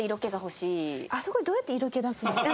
あそこでどうやって色気出すんですか？